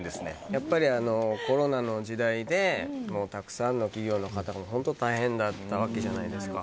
やっぱりコロナの時代でたくさんの企業の方が本当大変なわけじゃないですか。